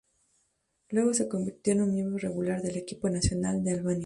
Luego se convirtió en un miembro regular del equipo nacional de Albania.